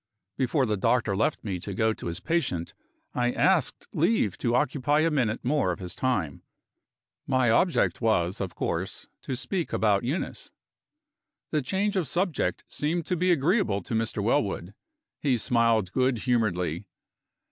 Before the doctor left me to go to his patient, I asked leave to occupy a minute more of his time. My object was, of course, to speak about Eunice. The change of subject seemed to be agreeable to Mr. Wellwood. He smiled good humoredly.